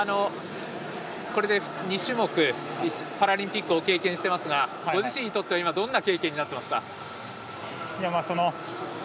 これで２種目パラリンピックを経験していますがご自身にとって今どんな経験になっていますか。